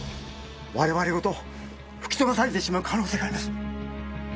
我々ごと吹き飛ばされてしまう可能性があります